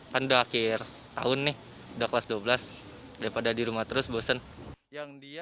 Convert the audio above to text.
kan udah akhir tahun nih udah kelas dua belas daripada di rumah terus bosen